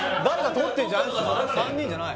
３人じゃない？